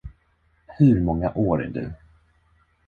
Hur många år är du?